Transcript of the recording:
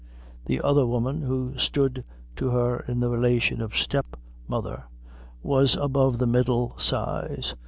The other woman, who stood to her in the relation of step mother, was above the middle size.